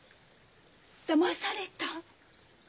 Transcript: だまされた？